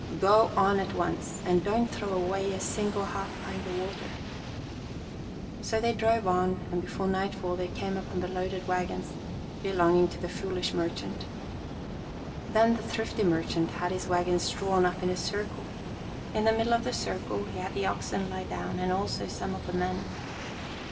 Go on at once and don't throw away a single half pint of water." He himself with the head men stood on guard. CO WISE AND FOOLISH MERCHANT So they drove on and before nightfall they came upon the loaded wagons belonging to the foolish mer chant Then the thrifty merchant had his wagons drawn up in a circle. In the middle of the circle he had the oxen lie down, and also some of the men.